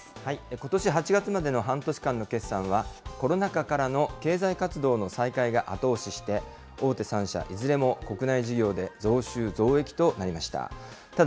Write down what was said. ことし８月までの半年間の決算は、コロナ禍からの経済活動の再開が後押しして、大手３社、いずれも国内事業で増収増益となりました。